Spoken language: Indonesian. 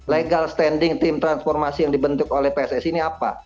legal standing tim transformasi yang dibentuk oleh pssi ini apa